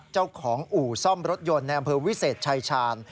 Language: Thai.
เจ้าของอู่ซ่อมรถยนต์ในอำเภอวิเศษชายชาญ